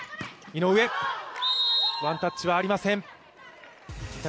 井上、ワンタッチはありません。